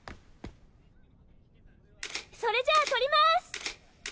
それじゃあ撮ります！